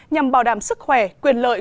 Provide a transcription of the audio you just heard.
nhằm bảo đảm sức khỏe quyền lợi